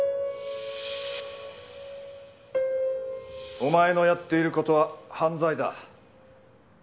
お前のやっている事は犯罪だ。